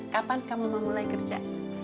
kapan kamu mau mulai kerja